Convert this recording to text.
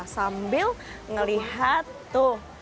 sambil melihat tuh